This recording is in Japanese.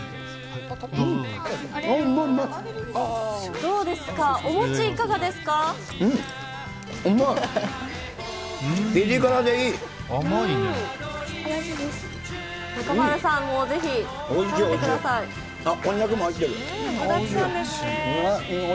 どうですか、お餅、いかがでうん、うまい。